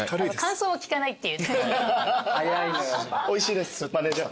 おいしいですマネージャー。